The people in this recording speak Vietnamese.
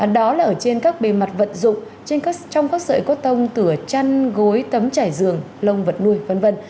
đó là ở trên các bề mặt vật dụng trong các sợi cốt tông tửa chăn gối tấm chải dường lông vật nuôi v v